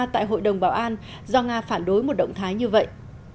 tại hội đồng bảo an do nga phản đối một động thái như vậy